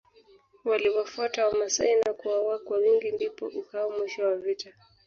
Waliwafuata wamasai na kuwaua kwa wingi ndipo ukawa mwisho wa vita